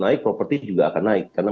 naik properti juga akan naik karena